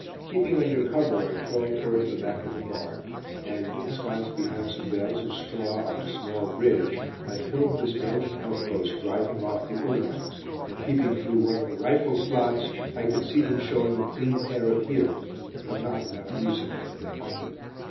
Keeping under cover, I crawled towards the back of the barn, and ensconced behind some bales of straw, on a small bridge, I filmed this Belgian outpost driving off the Uhlans, and peeping through one of the rifle slots, I could see them showing a clean pair of heels, but not without losing one of their number.